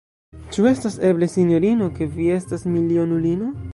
Ĉu estas eble, sinjorino, ke vi estas milionulino?